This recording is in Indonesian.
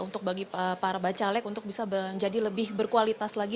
untuk bagi para bacalek untuk bisa menjadi lebih berkualitas lagi